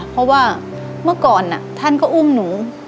เพราะว่าเมื่อก่อนท่านก็อุ้มหนู